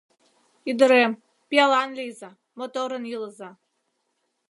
— Ӱдырем, пиалан лийза, моторын илыза.